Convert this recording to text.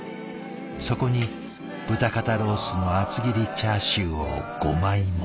そこに豚肩ロースの厚切りチャーシューを５枚も。